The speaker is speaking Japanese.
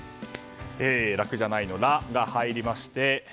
楽じゃないの「ラ」が入りまして。